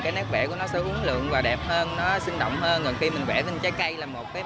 cái nét vẽ của nó sẽ hứng lượng và đẹp hơn nó sinh động hơn gần khi mình vẽ lên trái cây là một cái